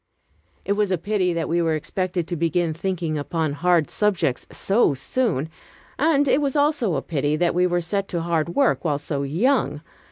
It was a pity that we were expected to begin thinking upon hard subjects so soon, and it was also a pity that we were set to hard work while so young.